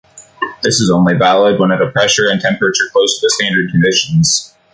This is only valid when at a pressure and temperature close to standard conditions.